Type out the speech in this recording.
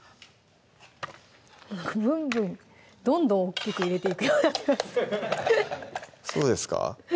「ぶんぶん」どんどん大っきく入れていくようなってますそうですか？